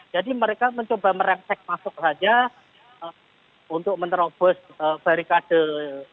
jadi mereka mencoba merengsek masuk saja untuk menerobos barikade aparat